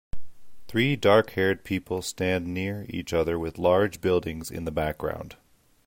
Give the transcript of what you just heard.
Three darkhaired people stand near each other with large buildings in the background.